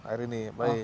air ini baik